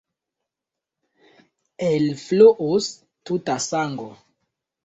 Elfluus tuta sango.